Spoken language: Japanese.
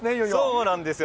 そうなんですよ。